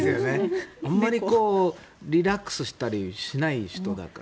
あまりリラックスしたりしない人だから。